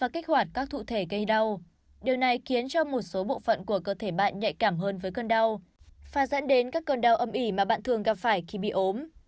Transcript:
cơ thể bạn nhạy cảm hơn với cơn đau pha dẫn đến các cơn đau âm ỉ mà bạn thường gặp phải khi bị ốm